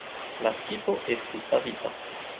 La skipo estis savita.